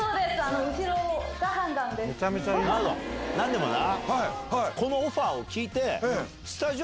何でもこのオファーを聞いて。